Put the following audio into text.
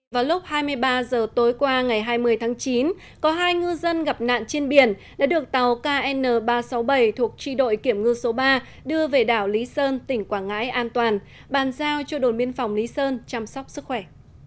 vào lúc hai mươi ba h tối qua ngày hai mươi tháng chín có hai ngư dân gặp nạn trên biển đã được tàu kn ba trăm sáu mươi bảy thuộc tri đội kiểm ngư số ba đưa về đảo lý sơn tỉnh quảng ngãi an toàn bàn giao cho đồn biên phòng lý sơn chăm sóc sức khỏe